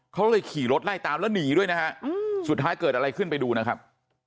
เขาเลยขี่รถไล่ตามแล้วหนีด้วยนะฮะสุดท้ายเกิดอะไรขึ้นไปดูนะครับ